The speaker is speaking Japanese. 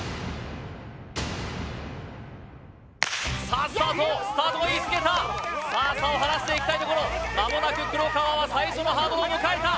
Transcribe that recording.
Ｓｅｔさあスタートスタートはいい菅田さあ差を離していきたいところ間もなく黒川は最初のハードルを迎えた